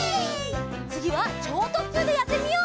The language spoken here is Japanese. つぎはちょうとっきゅうでやってみよう！